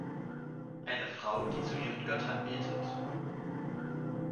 Eine Frau, die zu ihren Göttern betet.